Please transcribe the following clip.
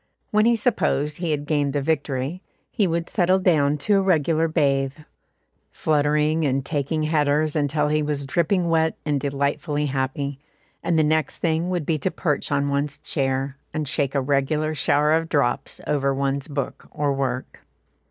When he supposed he had gained the victory, he would settle down to a regular bathe, fluttering and taking headers until he was dripping wet and delightfully happy, and the next thing would be to perch on one's chair, and shake a regular shower of drops over one's books or work.